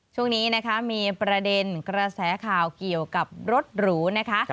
ช่วงนี้นะคะมีประเด็นกระแสข่าวเกี่ยวกับรถหรูนะคะ